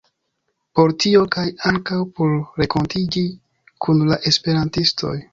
Por tio, kaj ankaŭ por renkontiĝi kun la esperantistoj